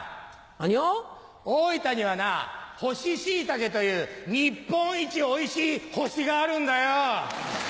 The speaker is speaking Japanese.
何を⁉大分にはな干しシイタケという日本一おいしいホシがあるんだよ！